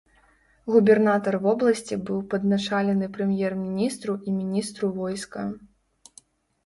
Губернатар вобласці быў падначалены прэм'ер-міністру і міністру войска.